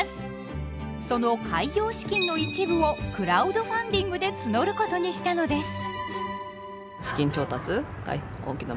その開業資金の一部をクラウドファンディングで募ることにしたのです。